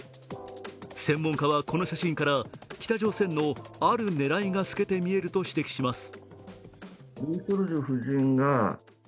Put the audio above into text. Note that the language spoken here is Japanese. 専門家は、この写真から北朝鮮のある狙いが透けて見えると指摘します。